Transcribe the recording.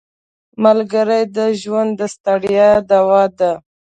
ملګری د ژوند د ستړیا دوا ده